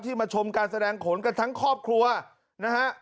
มาชมการแสดงขนกันทั้งครอบครัวนะฮะ